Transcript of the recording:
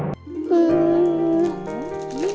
ya udah lah ya